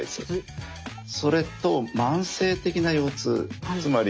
それと慢性的な腰痛つまり